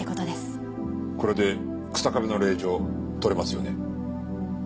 これで日下部の令状取れますよね？